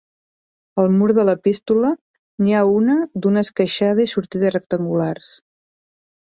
Al mur de l'epístola n'hi ha una d'una esqueixada i sortides rectangulars.